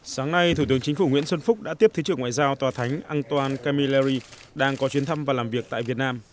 sáng nay thủ tướng chính phủ nguyễn xuân phúc đã tiếp thứ trưởng ngoại giao tòa thánh anton kamilery đang có chuyến thăm và làm việc tại việt nam